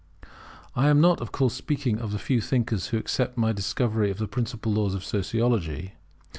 I am not, of course, speaking of the few thinkers who accept my discovery of the principal laws of Sociology.